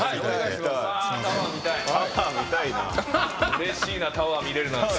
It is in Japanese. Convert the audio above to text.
うれしいなタワー見れるなんて。